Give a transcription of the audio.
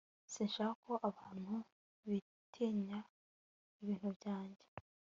Sinshaka ko abantu bitiranya ibintu byanjye